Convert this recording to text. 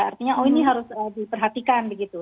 artinya oh ini harus diperhatikan begitu